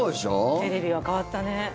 テレビは変わったね。